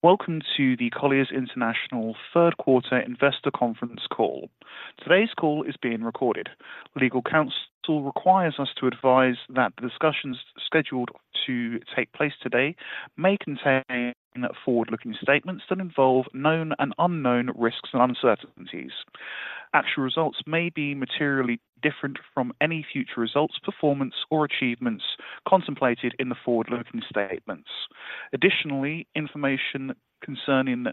Welcome to the Colliers International Q3 investor conference call. Today's call is being recorded. Legal counsel requires us to advise that the discussions scheduled to take place today may contain forward-looking statements that involve known and unknown risks and uncertainties. Actual results may be materially different from any future results, performance, or achievements contemplated in the forward-looking statements. Additionally, information concerning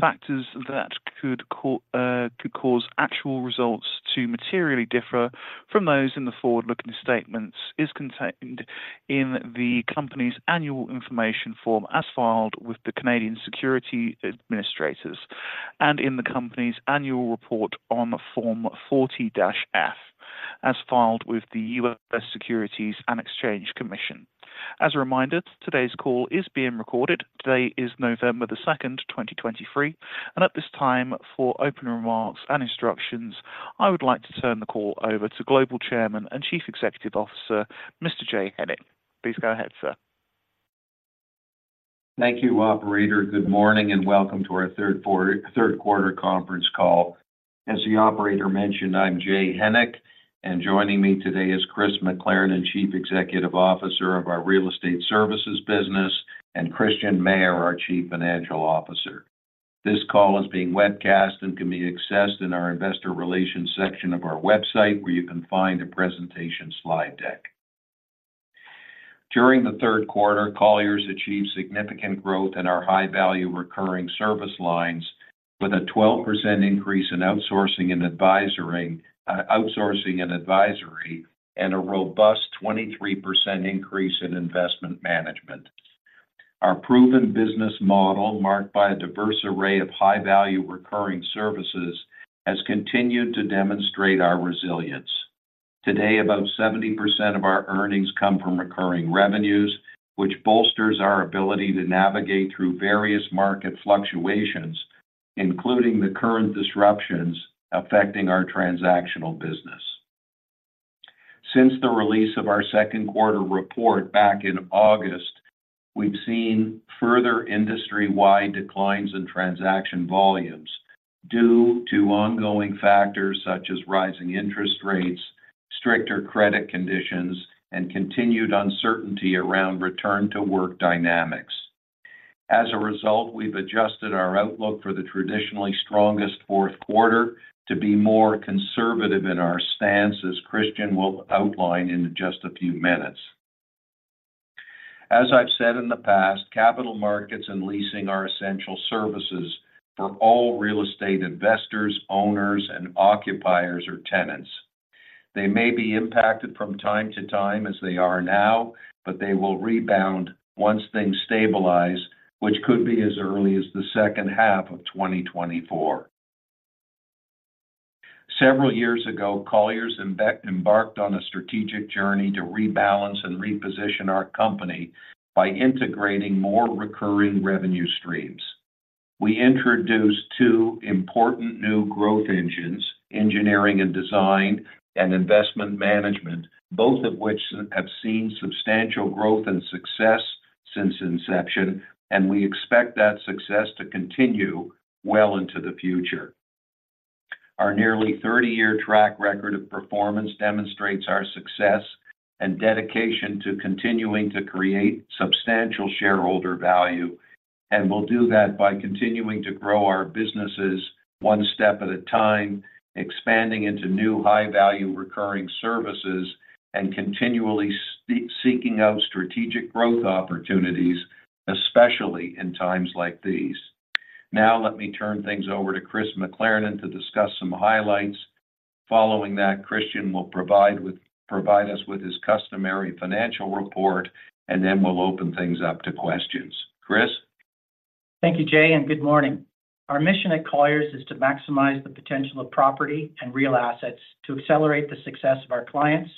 factors that could cause actual results to materially differ from those in the forward-looking statements is contained in the company's annual information form, as filed with the Canadian Securities Administrators, and in the company's annual report on the Form 40-F, as filed with the U.S. Securities and Exchange Commission. As a reminder, today's call is being recorded. Today is November 2nd, 2023, and at this time, for opening remarks and instructions, I would like to turn the call over to Global Chairman and Chief Executive Officer, Mr. Jay Hennick. Please go ahead, sir. Thank you, operator. Good morning, and welcome to our Q3, Q3 conference call. As the operator mentioned, I'm Jay Hennick, and joining me today is Chris McLernon, Chief Executive Officer of our Real Estate Services business, and Christian Mayer, our Chief Financial Officer. This call is being webcast and can be accessed in our investor relations section of our website, where you can find a presentation slide deck. During the Q3, Colliers achieved significant growth in our high-value recurring service lines, with a 12% increase in Outsourcing and Advisory, Outsourcing and Advisory, and a robust 23% increase in Investment Management. Our proven business model, marked by a diverse array of high-value recurring services, has continued to demonstrate our resilience. Today, about 70% of our earnings come from recurring revenues, which bolsters our ability to navigate through various market fluctuations, including the current disruptions affecting our transactional business. Since the release of our Q2 report back in August, we've seen further industry-wide declines in transaction volumes due to ongoing factors such as rising interest rates, stricter credit conditions, and continued uncertainty around return-to-work dynamics. As a result, we've adjusted our outlook for the traditionally strongest Q4 to be more conservative in our stance, as Christian will outline in just a few minutes. As I've said in the past, Capital Markets and Leasing are essential services for all real estate investors, owners, and occupiers or tenants. They may be impacted from time to time as they are now, but they will rebound once things stabilize, which could be as early as the second half of 2024. Several years ago, Colliers embarked on a strategic journey to rebalance and reposition our company by integrating more recurring revenue streams. We introduced two important new growth engines, Engineering and Design, and Investment Management, both of which have seen substantial growth and success since inception, and we expect that success to continue well into the future. Our nearly 30-year track record of performance demonstrates our success and dedication to continuing to create substantial shareholder value, and we'll do that by continuing to grow our businesses one step at a time, expanding into new high-value recurring services, and continually seeking out strategic growth opportunities, especially in times like these. Now, let me turn things over to Chris McLernon to discuss some highlights. Following that, Christian will provide us with his customary financial report, and then we'll open things up to questions. Chris? Thank you, Jay, and good morning. Our mission at Colliers is to maximize the potential of property and real assets to accelerate the success of our clients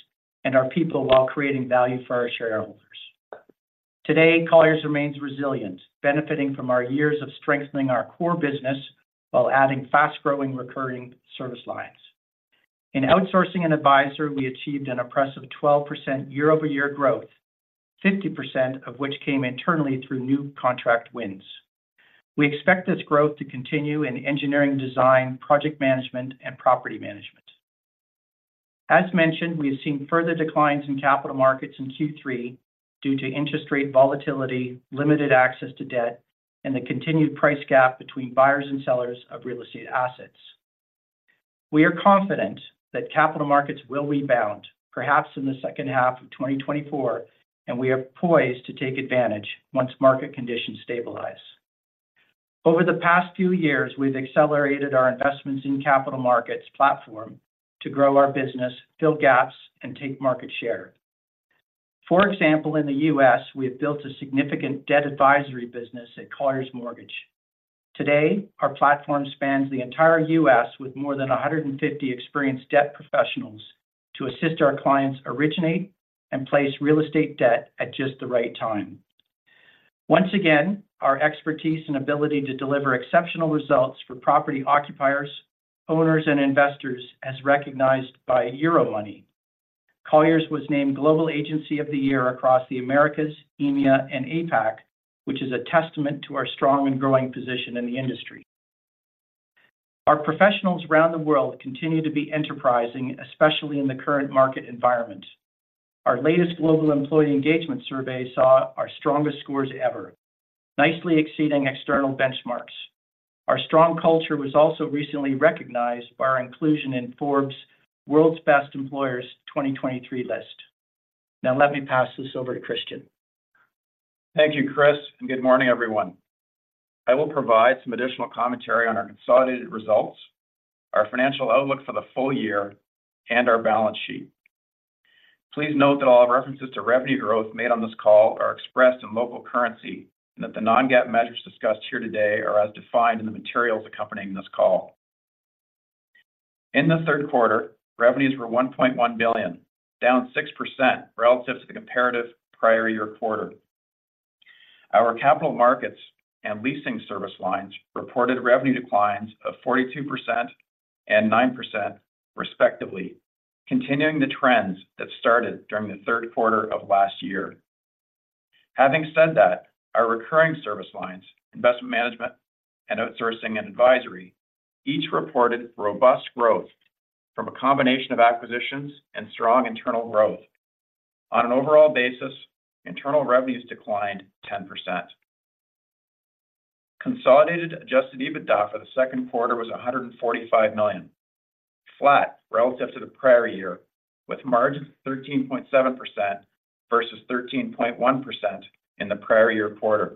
and our people while creating value for our shareholders. Today, Colliers remains resilient, benefiting from our years of strengthening our core business while adding fast-growing, recurring service lines. In Outsourcing and Advisory, we achieved an impressive 12% year-over-year growth, 50% of which came internally through new contract wins. We expect this growth to continue in Engineering Design, project management, and property management. As mentioned, we have seen further declines in Capital Markets in Q3 due to interest rate volatility, limited access to debt, and the continued price gap between buyers and sellers of real estate assets. We are confident that Capital Markets will rebound, perhaps in the second half of 2024, and we are poised to take advantage once market conditions stabilize. Over the past few years, we've accelerated our investments in Capital Markets platform to grow our business, fill gaps, and take market share. For example, in the US, we have built a significant debt advisory business at Colliers Mortgage. Today, our platform spans the entire US, with more than 150 experienced debt professionals to assist our clients originate and place real estate debt at just the right time. Once again, our expertise and ability to deliver exceptional results for property occupiers, owners, and investors, as recognized by Euromoney—Colliers was named Global Agency of the Year across the Americas, EMEA, and APAC, which is a testament to our strong and growing position in the industry. Our professionals around the world continue to be enterprising, especially in the current market environment. Our latest global employee engagement survey saw our strongest scores ever, nicely exceeding external benchmarks. Our strong culture was also recently recognized by our inclusion in Forbes World's Best Employers 2023 list. Now, let me pass this over to Christian. Thank you, Chris, and good morning, everyone. I will provide some additional commentary on our consolidated results, our financial outlook for the full year, and our balance sheet. Please note that all references to revenue growth made on this call are expressed in local currency, and that the non-GAAP measures discussed here today are as defined in the materials accompanying this call. In the Q3, revenues were $1.1 billion, down 6% relative to the comparative prior year quarter. Our Capital Markets and Leasing service lines reported revenue declines of 42% and 9% respectively, continuing the trends that started during the Q3 of last year. Having said that, our recurring service lines, Investment Management, and Outsourcing and Advisory, each reported robust growth from a combination of acquisitions and strong internal growth. On an overall basis, internal revenues declined 10%. Consolidated Adjusted EBITDA for the Q2 was $145 million, flat relative to the prior year, with margins 13.7% versus 13.1% in the prior year quarter.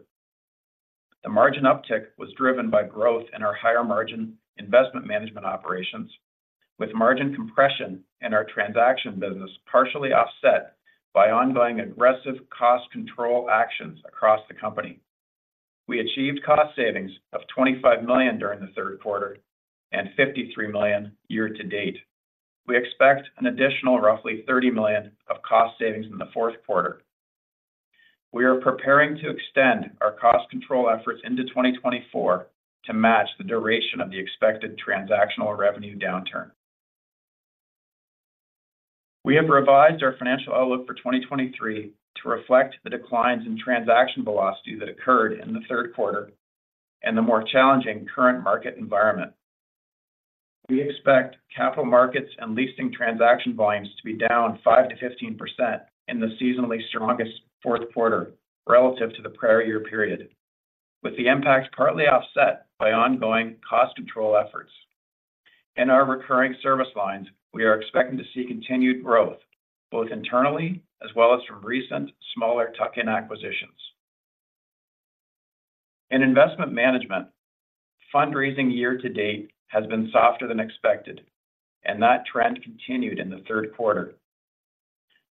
The margin uptick was driven by growth in our higher-margin Investment Management operations, with margin compression in our transaction business partially offset by ongoing aggressive cost control actions across the company. We achieved cost savings of $25 million during the Q3, and $53 million year to date. We expect an additional roughly $30 million of cost savings in the Q4. We are preparing to extend our cost control efforts into 2024 to match the duration of the expected transactional revenue downturn. We have revised our financial outlook for 2023 to reflect the declines in transaction velocity that occurred in the Q3 and the more challenging current market environment. We expect Capital Markets and Leasing transaction volumes to be down 5%-15% in the seasonally strongest Q4 relative to the prior year period, with the impact partly offset by ongoing cost control efforts. In our recurring service lines, we are expecting to see continued growth, both internally as well as from recent smaller tuck-in acquisitions. In Investment Management, fundraising year to date has been softer than expected, and that trend continued in the Q3.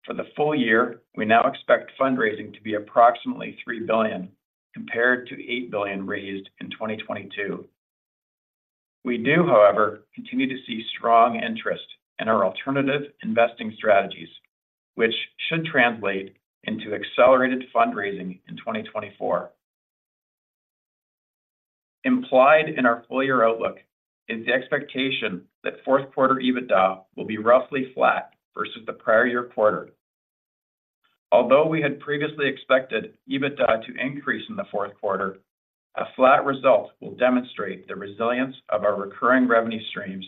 For the full year, we now expect fundraising to be approximately $3 billion, compared to $8 billion raised in 2022. We do, however, continue to see strong interest in our alternative investing strategies, which should translate into accelerated fundraising in 2024. Implied in our full year outlook is the expectation that Q4 EBITDA will be roughly flat versus the prior year quarter. Although we had previously expected EBITDA to increase in the Q4, a flat result will demonstrate the resilience of our recurring revenue streams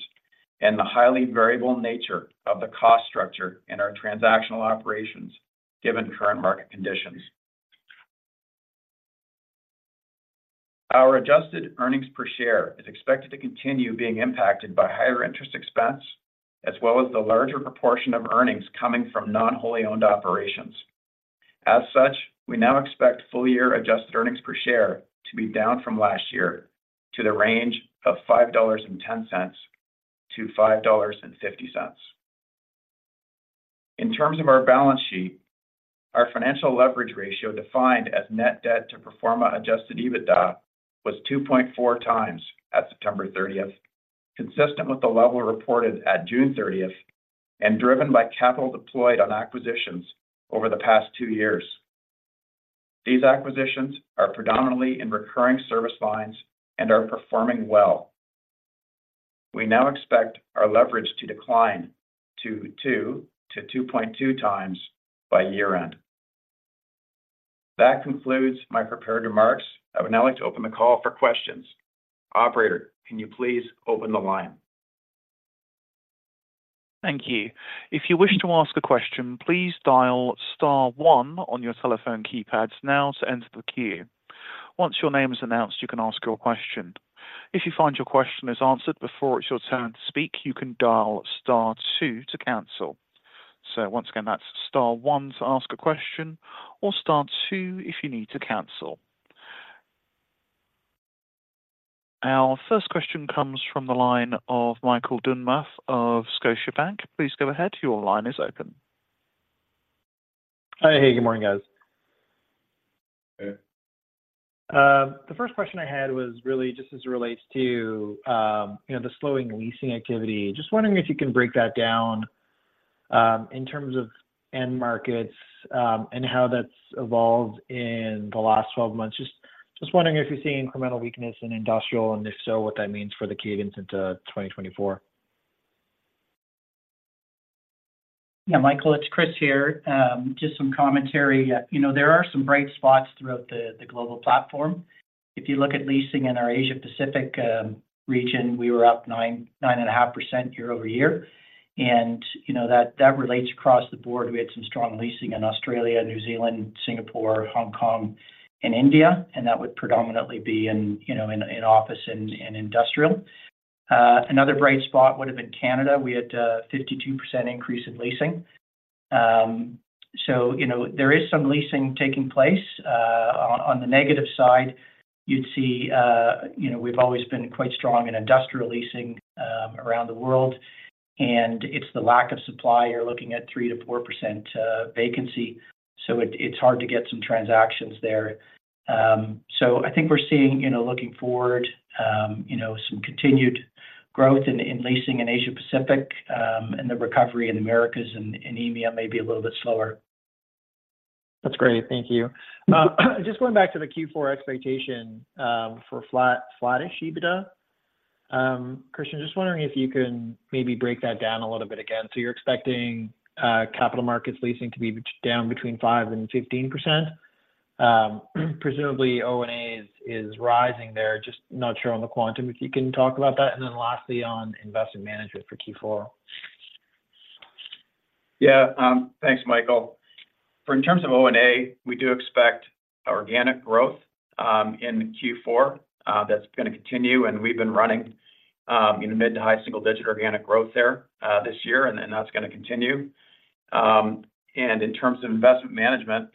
and the highly variable nature of the cost structure in our transactional operations, given current market conditions. Our adjusted earnings per share is expected to continue being impacted by higher interest expense, as well as the larger proportion of earnings coming from non-wholly owned operations. As such, we now expect full year adjusted earnings per share to be down from last year to the range of $5.10-$5.50. In terms of our balance sheet, our financial leverage ratio, defined as net debt to pro forma adjusted EBITDA, was 2.4 times at September 30th, consistent with the level reported at June 30th and driven by capital deployed on acquisitions over the past 2 years. These acquisitions are predominantly in recurring service lines and are performing well. We now expect our leverage to decline to 2-2.2 times by year-end. That concludes my prepared remarks. I would now like to open the call for questions. Operator, can you please open the line? Thank you. If you wish to ask a question, please dial star one on your telephone keypads now to enter the queue. Once your name is announced, you can ask your question. If you find your question is answered before it's your turn to speak, you can dial star two to cancel. So once again, that's star one to ask a question or star two if you need to cancel. Our first question comes from the line of Michael Doumet of Scotiabank. Please go ahead. Your line is open. Hi. Hey, good morning, guys. Hey. The first question I had was really just as it relates to, you know, the slowing Leasing activity. Just wondering if you can break that down, in terms of end markets, and how that's evolved in the last 12 months. Just, just wondering if you're seeing incremental weakness in industrial, and if so, what that means for the cadence into 2024. Yeah, Michael, it's Chris here. Just some commentary. You know, there are some bright spots throughout the global platform. If you look at Leasing in our Asia Pacific region, we were up 9, 9.5% year-over-year. And, you know, that relates across the board. We had some strong Leasing in Australia, New Zealand, Singapore, Hong Kong, and India, and that would predominantly be in office and industrial. Another bright spot would have been Canada. We had a 52% increase in Leasing. So, you know, there is some Leasing taking place. On the negative side, you'd see, you know, we've always been quite strong in industrial Leasing around the world, and it's the lack of supply. You're looking at 3%-4% vacancy, so it's hard to get some transactions there. So I think we're seeing, you know, looking forward, you know, some continued growth in Leasing in Asia Pacific, and the recovery in the Americas and in EMEA may be a little bit slower. That's great. Thank you. Just going back to the Q4 expectation, for flat, flattish EBITDA. Christian, just wondering if you can maybe break that down a little bit again. So you're expecting, Capital Markets, Leasing to be down between 5% and 15%? Presumably, O&A is, is rising there, just not sure on the quantum, if you can talk about that. And then lastly, on Investment Management for Q4. Yeah. Thanks, Michael. For in terms of O&A, we do expect organic growth in Q4. That's going to continue, and we've been running in the mid to high single digit organic growth there this year, and then that's going to continue. And in terms of Investment Management,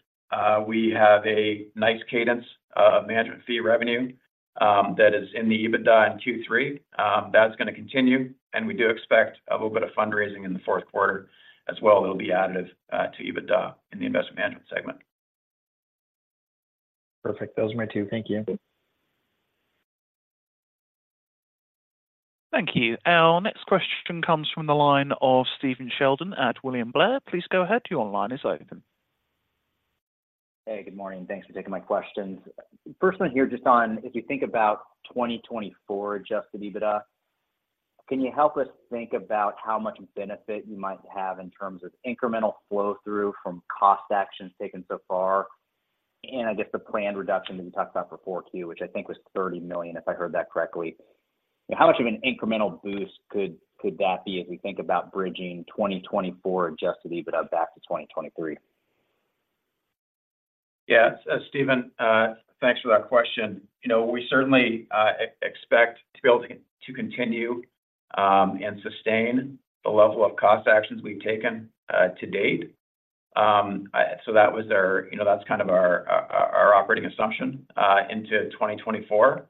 we have a nice cadence of management fee revenue that is in the EBITDA in Q3. That's going to continue, and we do expect a little bit of fundraising in the Q4 as well. It'll be additive to EBITDA in the Investment Management segment. Perfect. Those are my two. Thank you. Thank you. Our next question comes from the line of Stephen Sheldon at William Blair. Please go ahead. Your line is open. Hey, good morning. Thanks for taking my questions. Firstly, here, just on if you think about 2024 Adjusted EBITDA, can you help us think about how much benefit you might have in terms of incremental flow-through from cost actions taken so far, and I guess the planned reduction that you talked about for Q4, which I think was $30 million, if I heard that correctly? How much of an incremental boost could, could that be as we think about bridging 2024 Adjusted EBITDA back to 2023? Yeah. Stephen, thanks for that question. You know, we certainly expect to be able to continue and sustain the level of cost actions we've taken to date. So that was our—you know, that's kind of our operating assumption into 2024.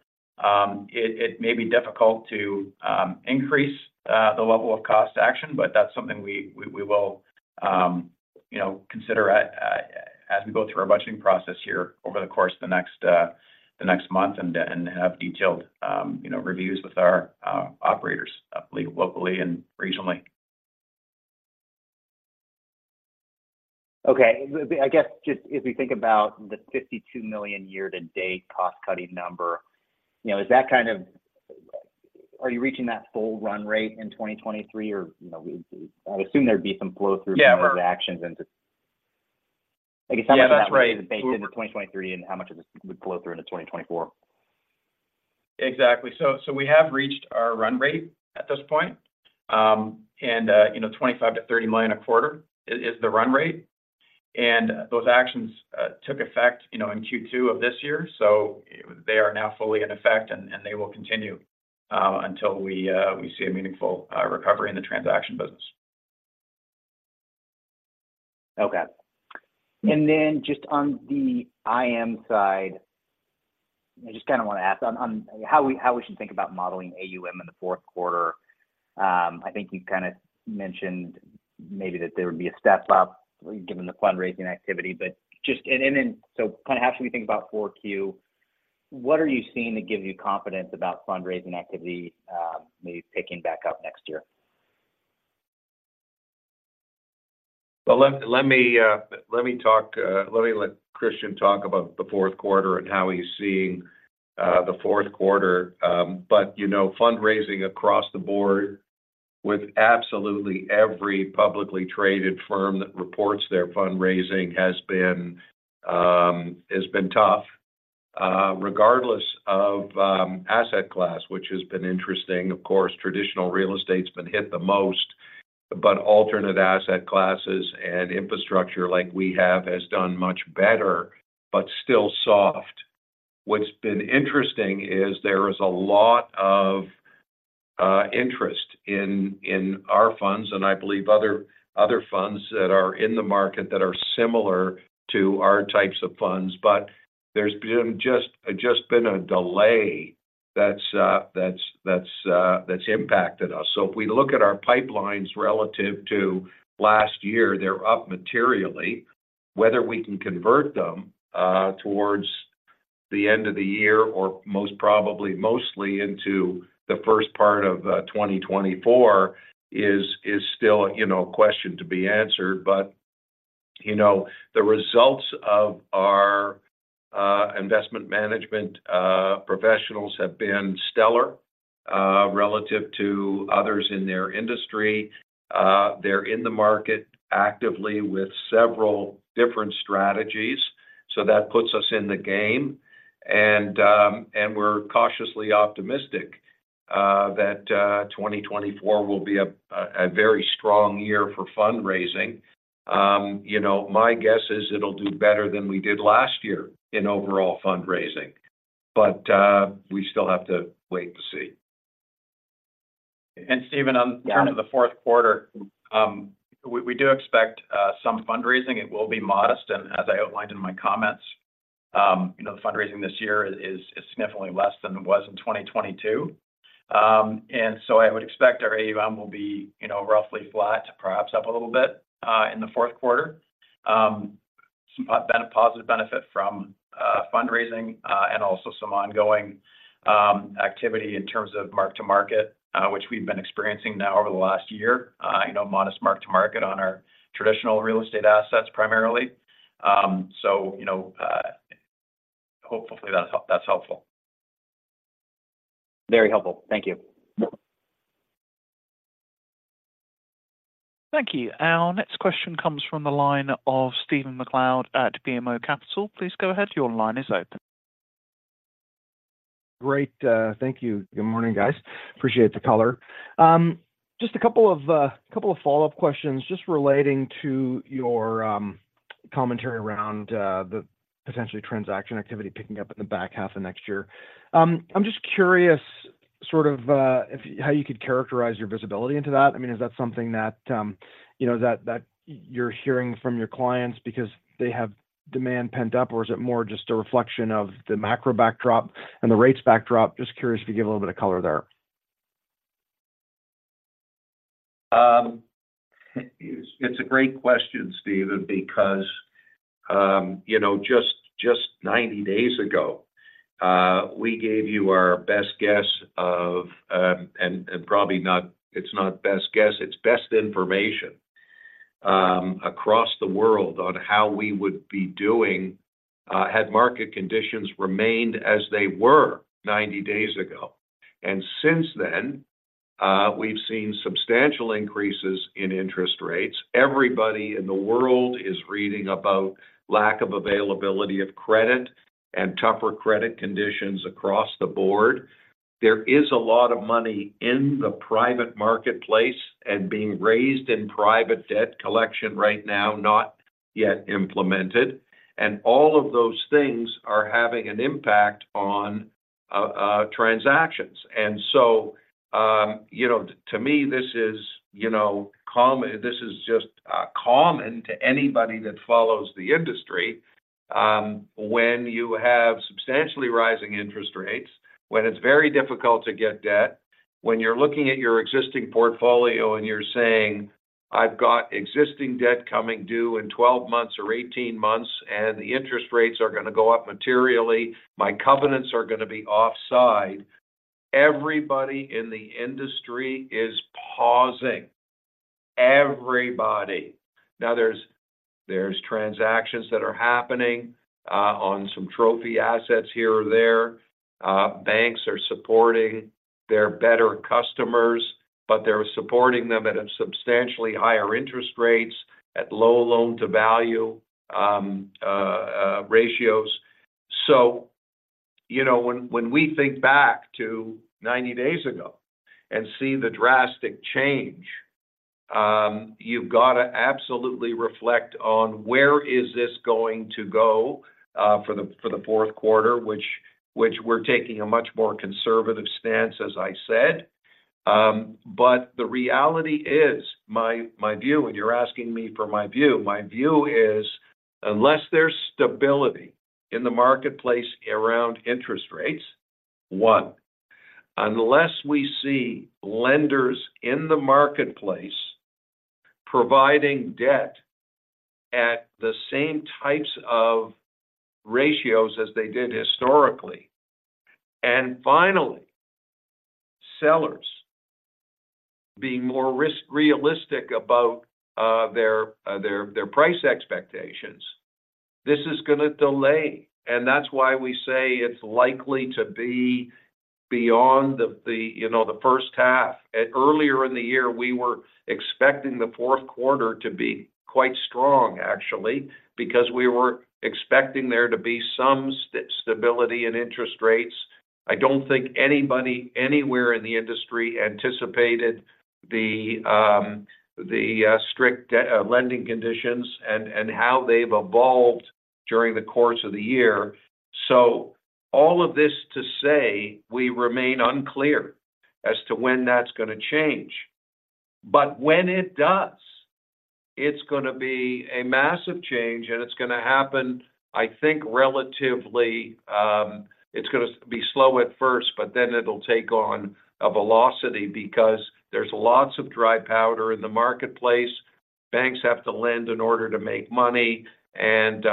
It may be difficult to increase the level of cost action, but that's something we will consider as we go through our budgeting process here over the course of the next month, and then have detailed reviews with our operators locally and regionally. Okay. I guess just as we think about the $52 million year-to-date cost-cutting number, you know, is that kind of... Are you reaching that full run rate in 2023, or, you know, I'd assume there'd be some flow through- Yeah actions into... I guess Yeah, that's right. Baked into 2023, and how much of this would flow through into 2024? Exactly. So, so we have reached our run rate at this point. And, you know, $25 million-$30 million a quarter is, is the run rate. And those actions, took effect, you know, in Q2 of this year, so they are now fully in effect, and, and they will continue, until we, we see a meaningful, recovery in the transaction business. Okay. And then just on the IM side, I just kinda want to ask on, on how we, how we should think about modeling AUM in the. I think you kind of mentioned maybe that there would be a step up, given the fundraising activity, but and then, so kinda as we think about Q4, what are you seeing that gives you confidence about fundraising activity, maybe picking back up next year? Well, let me let Christian talk about the Q4 and how he's seeing the Q4. But, you know, fundraising across the board with absolutely every publicly traded firm that reports their fundraising has been tough, regardless of asset class, which has been interesting. Of course, traditional real estate's been hit the most, but alternate asset classes and infrastructure like we have has done much better, but still soft. What's been interesting is there is a lot of interest in our funds, and I believe other funds that are in the market that are similar to our types of funds. But there's been just a delay that's impacted us. So if we look at our pipelines relative to last year, they're up materially. Whether we can convert them towards-... the end of the year, or most probably mostly into the first part of 2024, is still, you know, a question to be answered. But, you know, the results of our Investment Management professionals have been stellar relative to others in their industry. They're in the market actively with several different strategies, so that puts us in the game. And we're cautiously optimistic that 2024 will be a very strong year for fundraising. You know, my guess is it'll do better than we did last year in overall fundraising, but we still have to wait to see. And Stephen, Yeah... in terms of the Q4, we do expect some fundraising. It will be modest, and as I outlined in my comments, you know, the fundraising this year is significantly less than it was in 2022. And so I would expect our AUM will be, you know, roughly flat, perhaps up a little bit, in the Q4. Some positive benefit from fundraising, and also some ongoing activity in terms of mark-to-market, which we've been experiencing now over the last year. You know, modest mark-to-market on our traditional real estate assets, primarily. So, you know, hopefully that's helpful. Very helpful. Thank you. Thank you. Our next question comes from the line of Stephen MacLeod at BMO Capital Markets. Please go ahead. Your line is open. Great, thank you. Good morning, guys. Appreciate the color. Just a couple of follow-up questions just relating to your commentary around the potential transaction activity picking up in the back half of next year. I'm just curious, sort of, how you could characterize your visibility into that. I mean, is that something that, you know, that you're hearing from your clients because they have demand pent up, or is it more just a reflection of the macro backdrop and the rates backdrop? Just curious if you could give a little bit of color there. It's a great question, Stephen, because you know, just 90 days ago, we gave you our best guess of... and probably not, it's not best guess, it's best information, across the world on how we would be doing, had market conditions remained as they were 90 days ago. And since then, we've seen substantial increases in interest rates. Everybody in the world is reading about lack of availability of credit and tougher credit conditions across the board. There is a lot of money in the private marketplace and being raised in private debt collection right now, not yet implemented, and all of those things are having an impact on transactions. And so, you know, to me, this is, you know, this is just common to anybody that follows the industry. When you have substantially rising interest rates, when it's very difficult to get debt, when you're looking at your existing portfolio and you're saying, "I've got existing debt coming due in 12 months or 18 months, and the interest rates are gonna go up materially, my covenants are gonna be offside," everybody in the industry is pausing. Everybody. Now, there's transactions that are happening on some trophy assets here or there. Banks are supporting their better customers, but they're supporting them at a substantially higher interest rates, at low loan-to-value ratios. So, you know, when we think back to 90 days ago and see the drastic change, you've got to absolutely reflect on where is this going to go for the Q4, which we're taking a much more conservative stance, as I said. But the reality is, my view, and you're asking me for my view, my view is unless there's stability in the marketplace around interest rates, one, unless we see lenders in the marketplace providing debt at the same types of ratios as they did historically, and finally, sellers being more realistic about their price expectations, this is gonna delay. And that's why we say it's likely to be beyond the you know the first half. Earlier in the year, we were expecting the Q4 to be quite strong actually, because we were expecting there to be some stability in interest rates. I don't think anybody anywhere in the industry anticipated the strict lending conditions and how they've evolved during the course of the year. So all of this to say, we remain unclear as to when that's gonna change. But when it does, it's gonna be a massive change, and it's gonna happen, I think, relatively, it's gonna be slow at first, but then it'll take on a velocity because there's lots of dry powder in the marketplace. Banks have to lend in order to make money, and,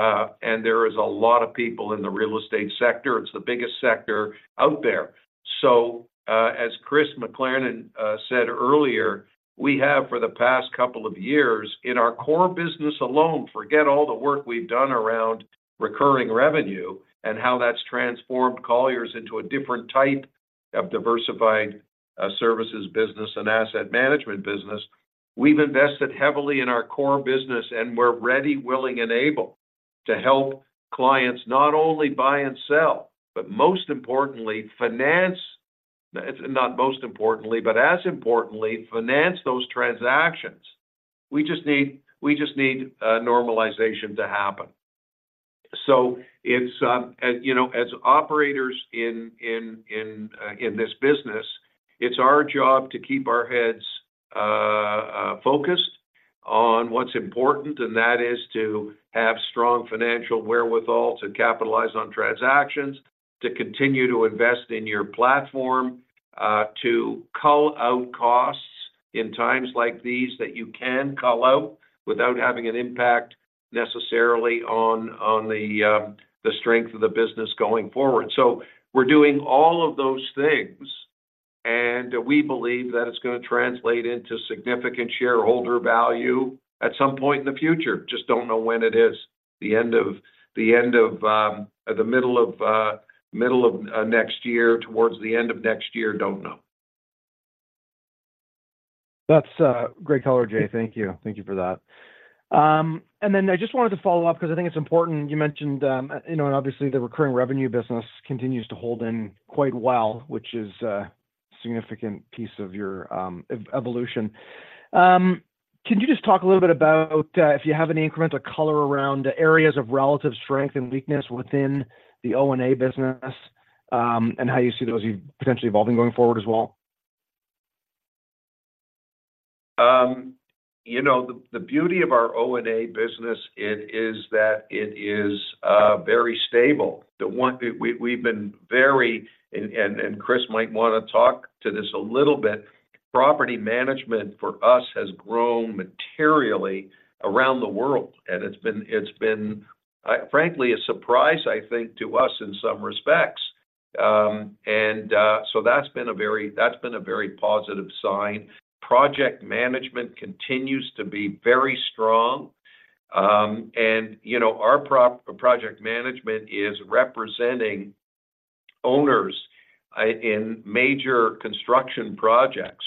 and there is a lot of people in the real estate sector. It's the biggest sector out there. So, as Chris McLernon said earlier, we have, for the past couple of years, in our core business alone, forget all the work we've done around recurring revenue and how that's transformed Colliers into a different type of diversified, services business and asset management business. We've invested heavily in our core business, and we're ready, willing, and able to help clients not only buy and sell, but most importantly, finance—not most importantly, but as importantly, finance those transactions. We just need, we just need, normalization to happen. So it's, and, you know, as operators in this business, it's our job to keep our heads focused on what's important, and that is to have strong financial wherewithal to capitalize on transactions, to continue to invest in your platform, to cull out costs in times like these that you can cull out without having an impact necessarily on the strength of the business going forward. So we're doing all of those things, and we believe that it's gonna translate into significant shareholder value at some point in the future. Just don't know when it is. The middle of next year, towards the end of next year, don't know. That's great color, Jay. Thank you. Thank you for that. And then I just wanted to follow up because I think it's important. You mentioned, you know, and obviously, the recurring revenue business continues to hold in quite well, which is a significant piece of your evolution. Can you just talk a little bit about if you have any incremental color around the areas of relative strength and weakness within the O&A business, and how you see those potentially evolving going forward as well? You know, the beauty of our O&A business, it is that it is very stable. And Chris might want to talk to this a little bit. Property management for us has grown materially around the world, and it's been, it's been frankly a surprise, I think, to us in some respects. And so that's been a very positive sign. Project management continues to be very strong. And you know, our project management is representing owners in major construction projects,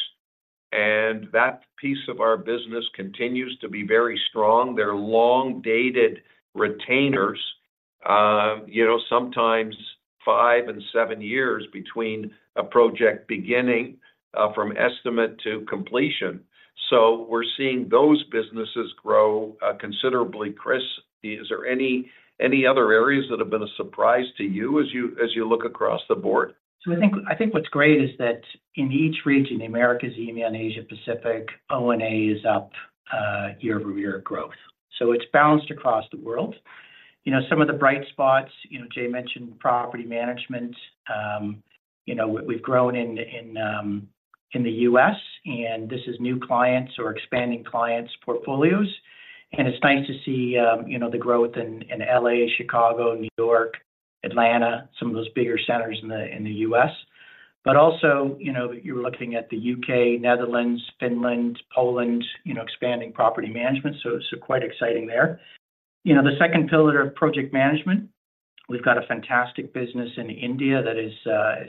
and that piece of our business continues to be very strong. They're long-dated retainers, you know, sometimes five and seven years between a project beginning from estimate to completion. So we're seeing those businesses grow considerably. Chris, is there any other areas that have been a surprise to you as you look across the board? So I think what's great is that in each region, the Americas, EMEA, and Asia Pacific, O&A is up year-over-year growth. So it's balanced across the world. You know, some of the bright spots, you know, Jay mentioned property management. You know, we've grown in the U.S., and this is new clients or expanding clients' portfolios. And it's nice to see, you know, the growth in L.A., Chicago, New York, Atlanta, some of those bigger centers in the U.S. But also, you know, you're looking at the U.K., Netherlands, Finland, Poland, you know, expanding property management, so it's quite exciting there. You know, the second pillar of project management, we've got a fantastic business in India that is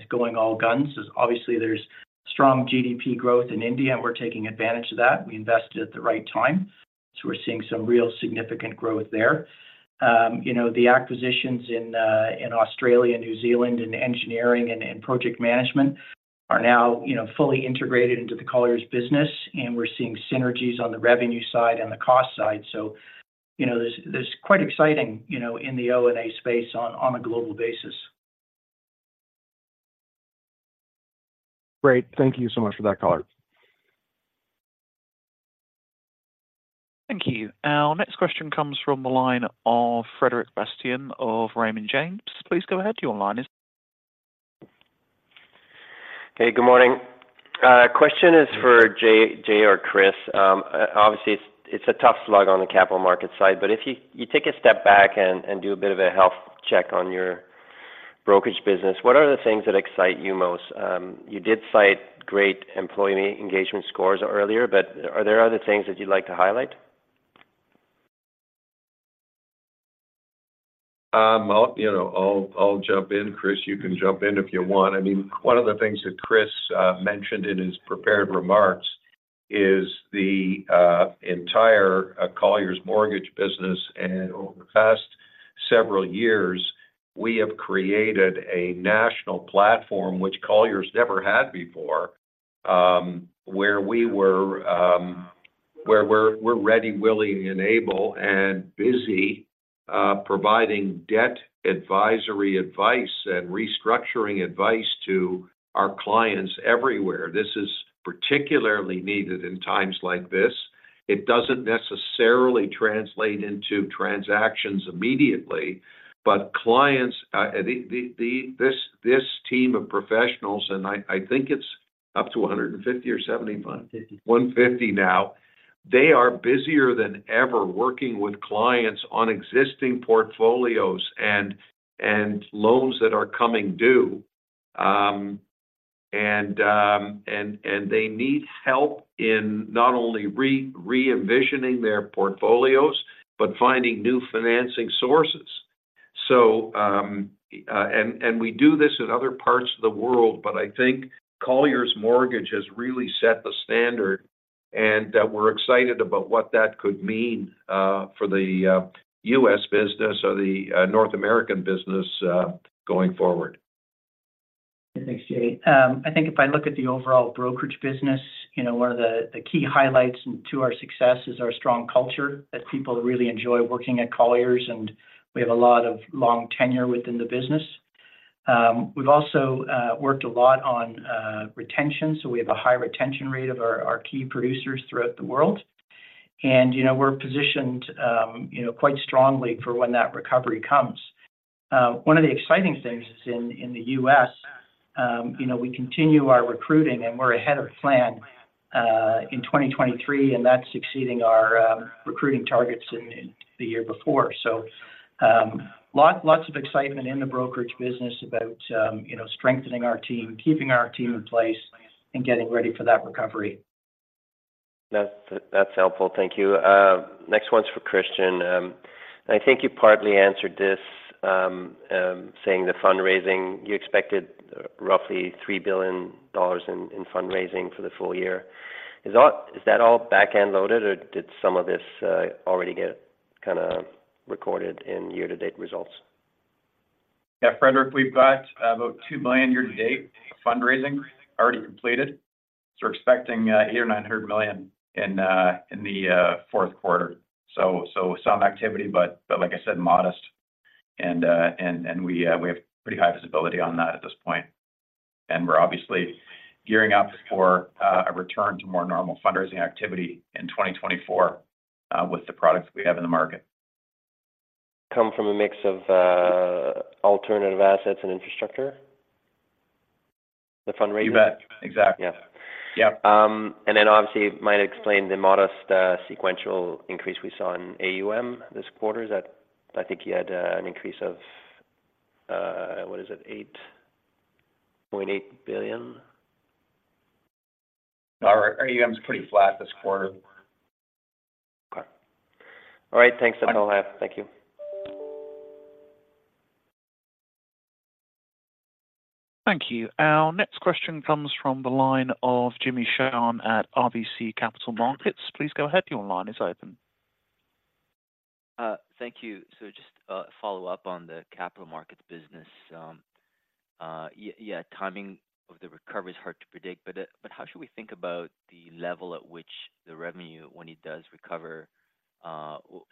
going all guns. So obviously, there's strong GDP growth in India, and we're taking advantage of that. We invested at the right time, so we're seeing some real significant growth there. You know, the acquisitions in, in Australia, New Zealand, in engineering and in project management are now, you know, fully integrated into the Colliers business, and we're seeing synergies on the revenue side and the cost side. So, you know, this, this is quite exciting, you know, in the O&A space on, on a global basis. Great. Thank you so much for that, Colliers. Thank you. Our next question comes from the line of Frederic Bastien of Raymond James. Please go ahead. Your line is- Hey, good morning. Question is for Jay or Chris. Obviously, it's a tough slog on the capital market side, but if you take a step back and do a bit of a health check on your brokerage business, what are the things that excite you most? You did cite great employee engagement scores earlier, but are there other things that you'd like to highlight? You know, I'll jump in. Chris, you can jump in if you want. I mean, one of the things that Chris mentioned in his prepared remarks is the entire Colliers Mortgage business. Over the past several years, we have created a national platform, which Colliers never had before, where we're ready, willing, and able, and busy providing debt advisory advice and restructuring advice to our clients everywhere. This is particularly needed in times like this. It doesn't necessarily translate into transactions immediately, but clients—the—this team of professionals, and I think it's up to 150 or 75— Fifty. 150 now. They are busier than ever working with clients on existing portfolios and loans that are coming due. They need help in not only re-envisioning their portfolios, but finding new financing sources. So we do this in other parts of the world, but I think Colliers Mortgage has really set the standard, and that we're excited about what that could mean for the U.S. business or the North American business going forward. Thanks, Jay. I think if I look at the overall brokerage business, you know, one of the key highlights to our success is our strong culture, that people really enjoy working at Colliers, and we have a lot of long tenure within the business. We've also worked a lot on retention, so we have a high retention rate of our key producers throughout the world. You know, we're positioned, you know, quite strongly for when that recovery comes. One of the exciting things in the U.S., you know, we continue our recruiting, and we're ahead of plan in 2023, and that's exceeding our recruiting targets in the year before. Lots of excitement in the brokerage business about, you know, strengthening our team, keeping our team in place, and getting ready for that recovery. That's, that's helpful. Thank you. Next one's for Christian. I think you partly answered this, saying the fundraising, you expected roughly $3 billion in fundraising for the full year. Is that all back-end loaded, or did some of this already get kinda recorded in year-to-date results? Yeah, Frederic, we've got about $2 billion year to date fundraising already completed. So we're expecting $800 million-$900 million in the Q4. So some activity, but like I said, modest. And we have pretty high visibility on that at this point. And we're obviously gearing up for a return to more normal fundraising activity in 2024 with the products we have in the market. Come from a mix of, alternative assets and infrastructure, the fundraising? You bet. Exactly. Yeah. Yeah. And then obviously, it might explain the modest sequential increase we saw in AUM this quarter. Is that? I think you had an increase of, what is it? $8.8 billion. Our AUM is pretty flat this quarter. Okay. All right, thanks, that's all I have. Thank you. Thank you. Our next question comes from the line of Jimmy Shan at RBC Capital Markets. Please go ahead, your line is open. Thank you. So just follow up on the Capital Markets business. Yeah, timing of the recovery is hard to predict, but, but how should we think about the level at which the revenue, when it does recover,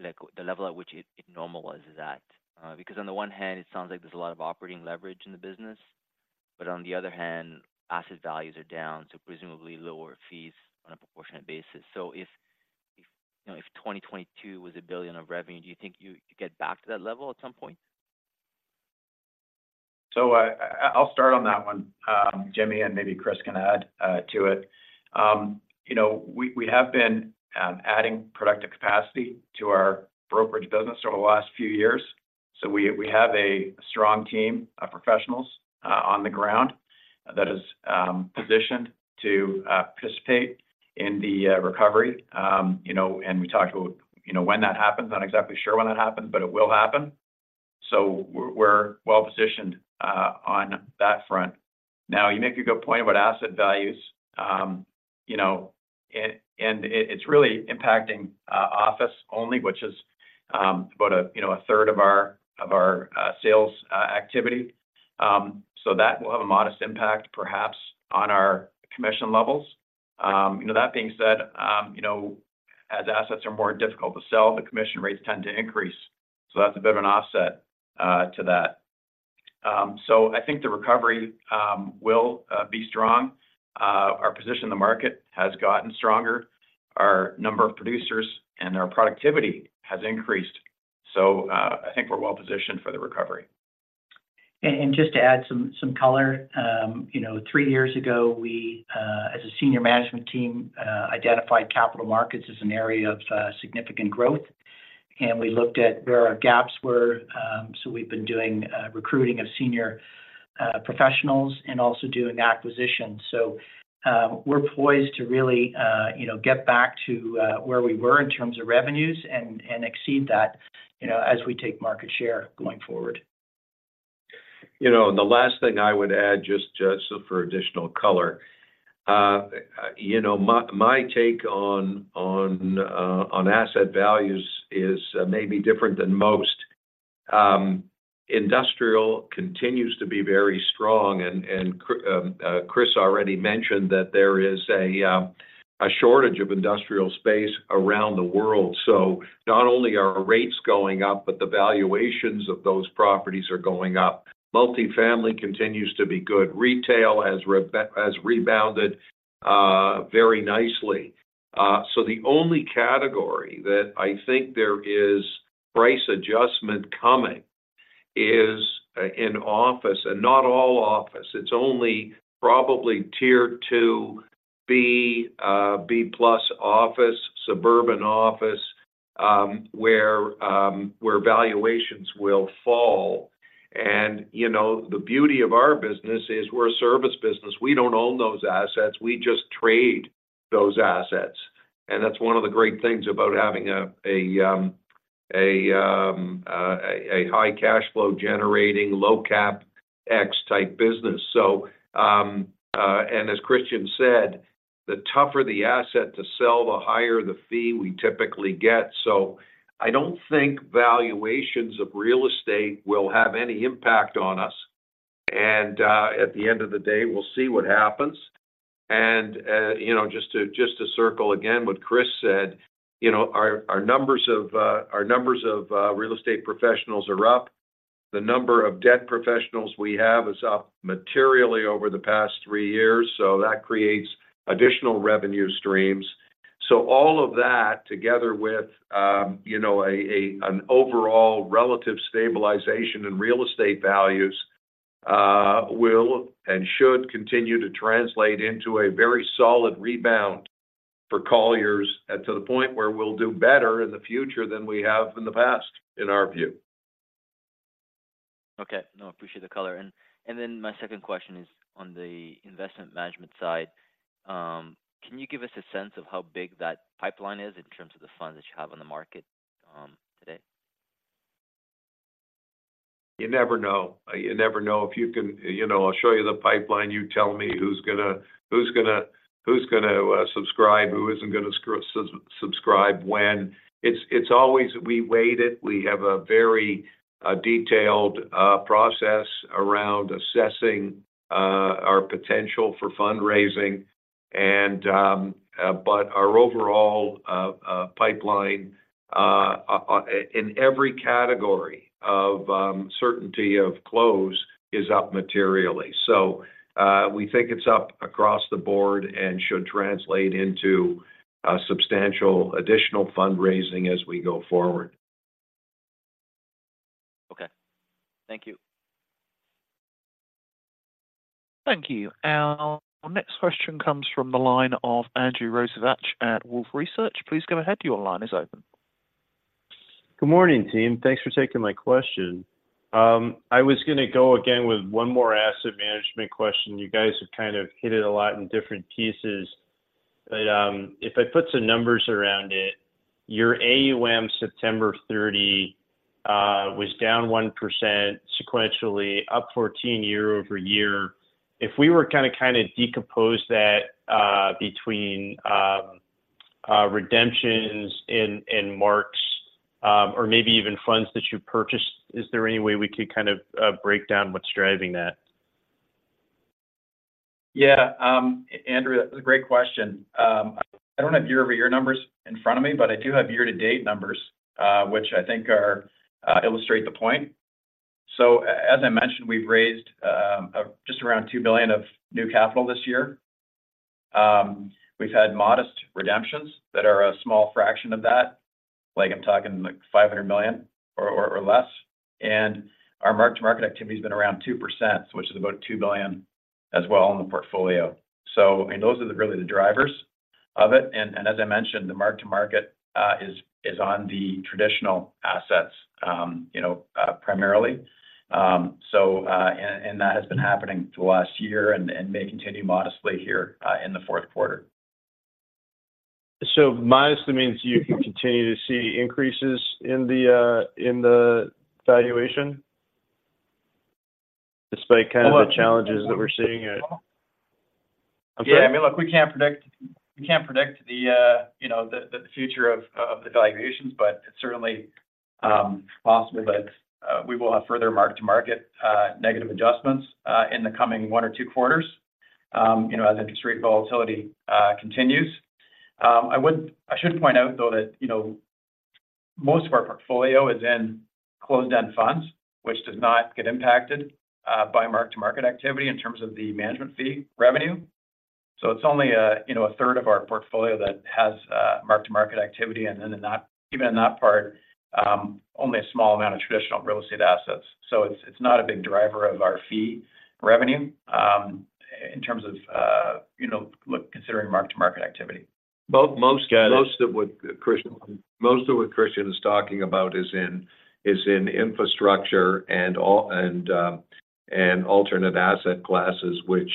like, the level at which it, it normalizes at? Because on the one hand, it sounds like there's a lot of operating leverage in the business, but on the other hand, asset values are down, so presumably lower fees on a proportionate basis. So if, if, you know, if 2022 was $1 billion of revenue, do you think you could get back to that level at some point? I'll start on that one, Jimmy, and maybe Chris can add to it. You know, we have been adding productive capacity to our brokerage business over the last few years, so we have a strong team of professionals on the ground that is positioned to participate in the recovery. You know, and we talked about, you know, when that happens, not exactly sure when that happens, but it will happen. So we're well positioned on that front. Now, you make a good point about asset values. You know, and it's really impacting office only, which is about a third of our sales activity. So that will have a modest impact, perhaps, on our commission levels. You know, that being said, you know, as assets are more difficult to sell, the commission rates tend to increase. So that's a bit of an offset to that. So I think the recovery will be strong. Our position in the market has gotten stronger. Our number of producers and our productivity has increased, so I think we're well positioned for the recovery. Just to add some color, you know, three years ago, we, as a senior management team, identified Capital Markets as an area of significant growth, and we looked at where our gaps were, so we've been doing recruiting of senior professionals and also doing acquisitions. So, we're poised to really, you know, get back to where we were in terms of revenues and exceed that, you know, as we take market share going forward. You know, the last thing I would add, just, just for additional color, you know, my, my take on, on, on asset values is maybe different than most. Industrial continues to be very strong and, and Chris already mentioned that there is a, a shortage of industrial space around the world. So not only are rates going up, but the valuations of those properties are going up. Multifamily continues to be good. Retail has rebounded very nicely. So the only category that I think there is price adjustment coming is in office, and not all office. It's only probably tier 2 B, B plus office, suburban office, where, where valuations will fall. And, you know, the beauty of our business is we're a service business. We don't own those assets, we just trade those assets. That's one of the great things about having a high cash flow generating, low CapEx type business. As Christian said, the tougher the asset to sell, the higher the fee we typically get. So I don't think valuations of real estate will have any impact on us. At the end of the day, we'll see what happens. You know, just to circle again what Chris said, you know, our numbers of real estate professionals are up. The number of debt professionals we have is up materially over the past three years, so that creates additional revenue streams. So all of that, together with, you know, an overall relative stabilization in real estate values, will and should continue to translate into a very solid rebound for Colliers, and to the point where we'll do better in the future than we have in the past, in our view. Okay. No, I appreciate the color. And then my second question is on the Investment Management side. Can you give us a sense of how big that pipeline is in terms of the funds that you have on the market, today? You never know. You never know if you can—you know, I'll show you the pipeline, you tell me who's gonna subscribe, who isn't gonna subscribe when. It's always, we weigh it. We have a very detailed process around assessing our potential for fundraising. And but our overall pipeline in every category of certainty of close is up materially. So we think it's up across the board and should translate into substantial additional fundraising as we go forward. Okay. Thank you. Thank you. Our next question comes from the line of Andrew Rosivach at Wolfe Research. Please go ahead, your line is open. Good morning, team. Thanks for taking my question. I was gonna go again with one more asset management question. You guys have kind of hit it a lot in different pieces, but, if I put some numbers around it, your AUM September 30 was down 1% sequentially, up 14 year-over-year. If we were kinda decompose that, between redemptions in and marks, or maybe even funds that you purchased, is there any way we could kind of break down what's driving that? Yeah, Andrew, that's a great question. I don't have year-over-year numbers in front of me, but I do have year-to-date numbers, which I think illustrate the point. So as I mentioned, we've raised just around $2 billion of new capital this year. We've had modest redemptions that are a small fraction of that, like, I'm talking, like, $500 million or less. And our mark-to-market activity has been around 2%, which is about $2 billion as well in the portfolio. So, and those are really the drivers of it. And as I mentioned, the mark to market is on the traditional assets, you know, primarily. So, and that has been happening for the last year and may continue modestly here in the Q4. Modestly means you can continue to see increases in the, in the valuation, despite kind of the challenges that we're seeing at- Yeah, I mean, look, we can't predict the, you know, the future of the valuations, but it's certainly possible that we will have further mark-to-market negative adjustments in the coming one or two quarters, you know, as industry volatility continues. I should point out, though, that, you know, most of our portfolio is in closed-end funds, which does not get impacted by mark-to-market activity in terms of the management fee revenue. So it's only a, you know, a third of our portfolio that has mark-to-market activity, and then, even in that part, only a small amount of traditional real estate assets. So it's not a big driver of our fee revenue in terms of, you know, look, considering mark-to-market activity. Most- Got it. Most of what Christian is talking about is in infrastructure and alternate asset classes, which,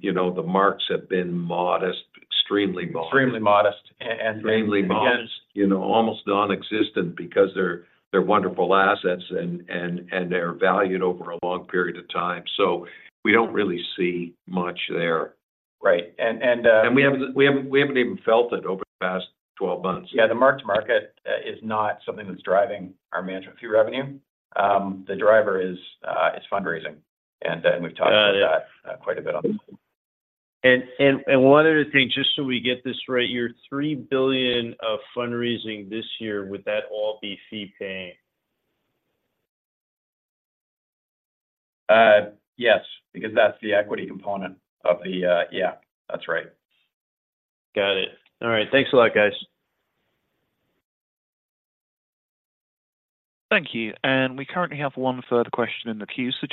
you know, the markets have been modest, extremely modest. Extremely modest, Extremely modest... again- You know, almost nonexistent because they're wonderful assets and they're valued over a long period of time. So we don't really see much there. Right. And, We haven't, we haven't, we haven't even felt it over the past 12 months. Yeah, the mark-to-market is not something that's driving our management fee revenue. The driver is fundraising, and Yeah... we've talked about that quite a bit on this. One other thing, just so we get this right, your $3 billion of fundraising this year, would that all be fee paying?... Yes, because that's the equity component of the. Yeah, that's right. Got it. All right. Thanks a lot, guys. Thank you. And we currently have one further question in the queue. So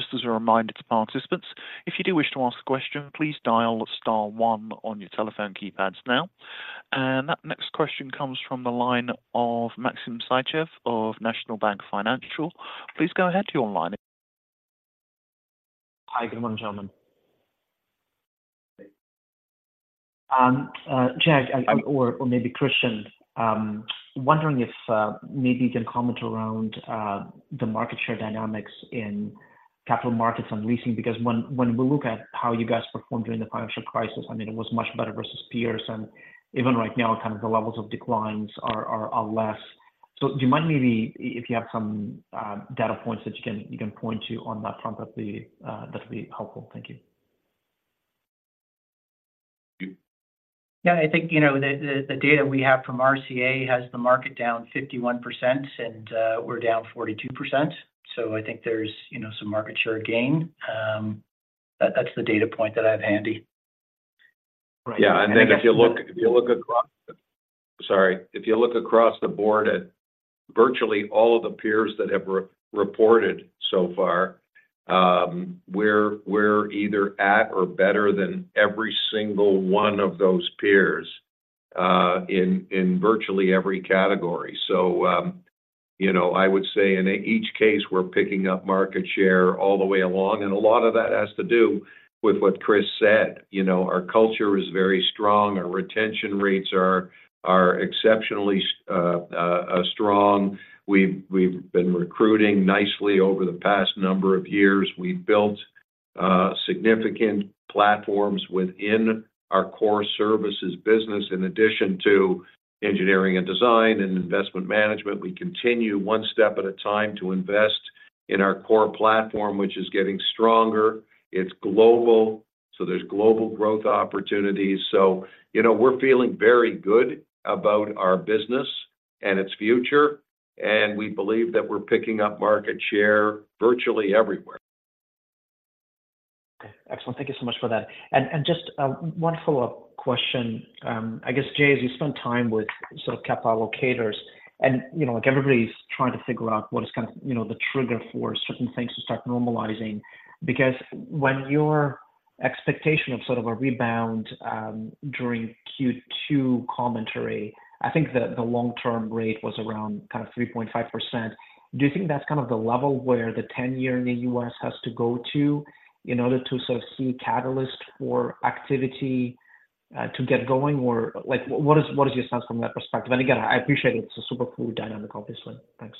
just as a reminder to participants, if you do wish to ask a question, please dial star one on your telephone keypads now. And that next question comes from the line of Maxim Sytchev of National Bank Financial. Please go ahead to your line. Hi, good morning, gentlemen. Jay, or maybe Christian, wondering if maybe you can comment around the market share dynamics in Capital Markets and Leasing, because when we look at how you guys performed during the financial crisis, I mean, it was much better versus peers, and even right now, kind of the levels of declines are less. So do you mind maybe if you have some data points that you can point to on that front, that'd be helpful. Thank you. Yeah, I think, you know, the data we have from RCA has the market down 51%, and we're down 42%. So I think there's, you know, some market share gain. That's the data point that I have handy. Yeah, and then if you look across the board at virtually all of the peers that have re-reported so far, we're either at or better than every single one of those peers, in virtually every category. So, you know, I would say in each case, we're picking up market share all the way along, and a lot of that has to do with what Chris said. You know, our culture is very strong. Our retention rates are exceptionally strong. We've been recruiting nicely over the past number of years. We've built significant platforms within our core services business, in addition to Engineering and Design and Investment Management. We continue one step at a time to invest in our core platform, which is getting stronger. It's global, so there's global growth opportunities. So, you know, we're feeling very good about our business and its future, and we believe that we're picking up market share virtually everywhere. Excellent. Thank you so much for that. And just one follow-up question. I guess, Jay, as you spend time with sort of capital allocators, and, you know, like, everybody's trying to figure out what is kind of, you know, the trigger for certain things to start normalizing. Because when your expectation of sort of a rebound during Q2 commentary, I think the long-term rate was around kind of 3.5%. Do you think that's kind of the level where the 10-year in the U.S. has to go to in order to sort of see catalyst for activity to get going? Or like, what is your sense from that perspective? And again, I appreciate it. It's a super cool dynamic, obviously. Thanks.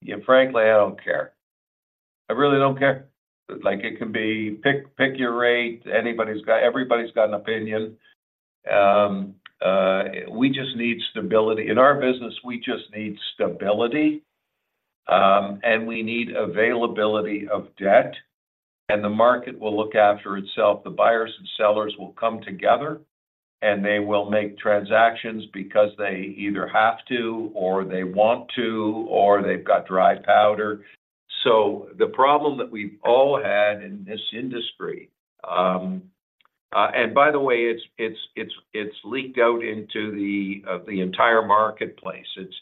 Yeah, frankly, I don't care. I really don't care. Like, it can be pick, pick your rate. Anybody's got – everybody's got an opinion. We just need stability. In our business, we just need stability, and we need availability of debt, and the market will look after itself. The buyers and sellers will come together, and they will make transactions because they either have to, or they want to, or they've got dry powder. So the problem that we've all had in this industry... And by the way, it's leaked out into the entire marketplace. It's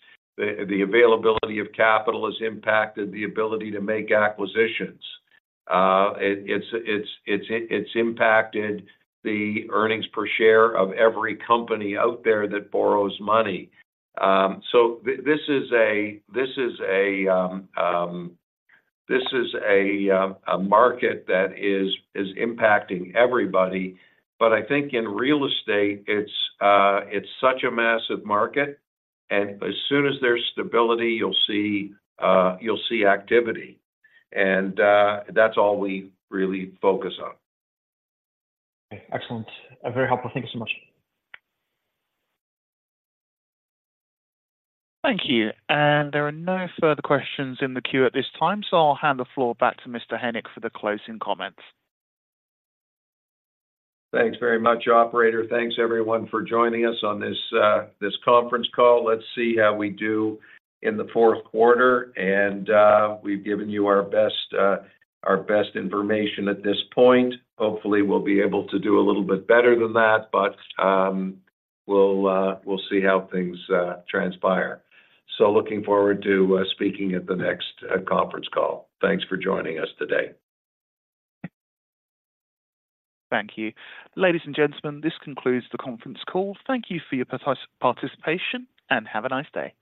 the availability of capital has impacted the ability to make acquisitions. It's impacted the earnings per share of every company out there that borrows money. So this is a market that is impacting everybody. But I think in real estate, it's such a massive market, and as soon as there's stability, you'll see activity, and that's all we really focus on. Excellent. Very helpful. Thank you so much. Thank you. There are no further questions in the queue at this time, so I'll hand the floor back to Mr. Hennick for the closing comments. Thanks very much, operator. Thanks, everyone, for joining us on this conference call. Let's see how we do in the Q4, and we've given you our best information at this point. Hopefully, we'll be able to do a little bit better than that, but we'll see how things transpire. Looking forward to speaking at the next conference call. Thanks for joining us today. Thank you. Ladies and gentlemen, this concludes the conference call. Thank you for your participation, and have a nice day.